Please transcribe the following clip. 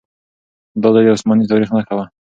دا ځای د عثماني تاريخ نښه وه.